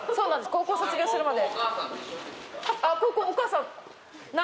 高校卒業するまで。